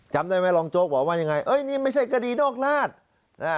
จำได้ไหมรองโจ๊กบอกว่ายังไงเอ้ยนี่ไม่ใช่คดีนอกราช